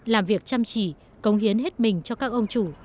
làm việc chăm chỉ cống hiến hết mình cho các ông chủ